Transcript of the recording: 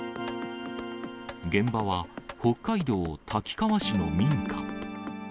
現場は、北海道滝川市の民家。